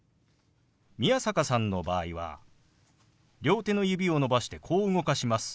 宮坂さんの場合は両手の指を伸ばしてこう動かします。